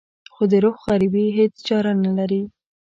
خو د روح غريبي هېڅ چاره نه لري.